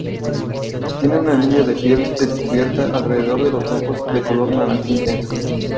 Tiene un anillo de piel descubierta alrededor de los ojos de color naranja intenso.